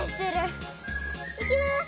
いきます！